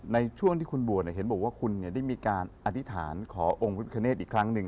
ในช่วงที่คุณบวชเห็นบอกว่าคุณได้มีการอธิษฐานขอองค์พระพิคเนธอีกครั้งหนึ่ง